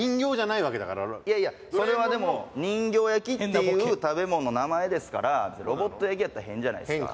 いやいやそれはでも「人形焼」っていう食べ物の名前ですから「ロボット焼き」やったら変じゃないですか。